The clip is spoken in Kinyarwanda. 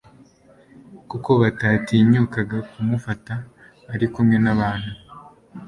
kuko batatinyukaga kumufata ari kumwe n'abantu.